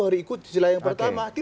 hari ikut istilah yang pertama